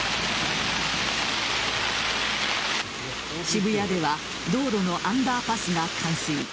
渋谷では道路のアンダーパスが冠水。